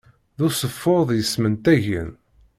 D useffud yesmentagen.